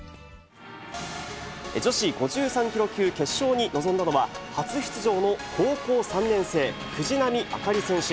女子５３キロ級決勝に臨んだのは、初出場の高校３年生、藤波朱理選手。